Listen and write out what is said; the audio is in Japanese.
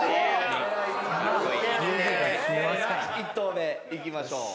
１投目いきましょう。